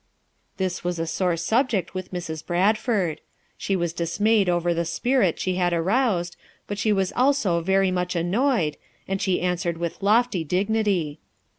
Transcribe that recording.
This was a sore subject with Mrs. Bradford; she was dismayed over the spirit she had aroused, but she was also very much annoyed, and she answered with lofty dignity.